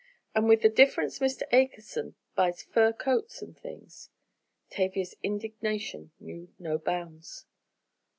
And with the difference Mr. Akerson buys fur coats and things." Tavia's indignation knew no bounds.